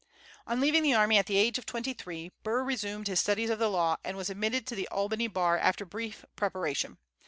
On leaving the army, at the age of twenty three, Burr resumed his studies of the law, and was admitted to the Albany bar after brief preparation.